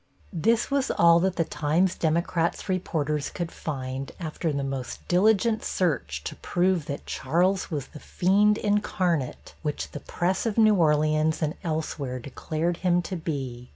This was all that the Times Democrat's reporters could find after the most diligent search to prove that Charles was the fiend incarnate which the press of New Orleans and elsewhere declared him to be.